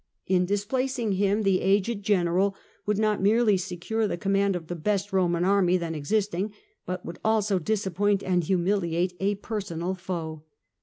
In displacing him, the aged general would not merely secure the com mand of the best Roman army then existing, but would also disappoint and humiliate a personal foe.